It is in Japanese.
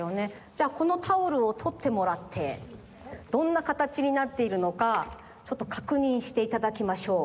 じゃあこのタオルをとってもらってどんなかたちになっているのかちょっとかくにんしていただきましょう。